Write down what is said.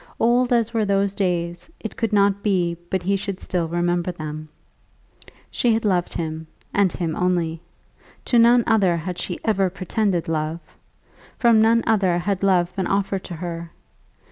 Old as were those days, it could not be but he should still remember them. She had loved him, and him only. To none other had she ever pretended love. From none other had love been offered to her.